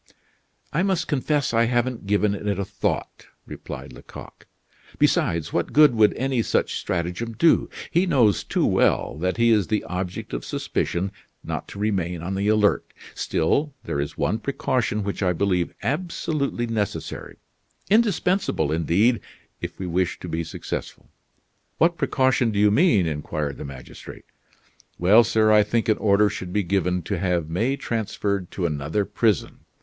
"I must confess I haven't given it a thought," replied Lecoq. "Besides, what good would any such stratagem do? He knows too well that he is the object of suspicion not to remain on the alert. Still, there is one precaution which I believe absolutely necessary, indispensable indeed, if we wish to be successful." "What precaution do you mean?" inquired the magistrate. "Well, sir, I think an order should be given to have May transferred to another prison.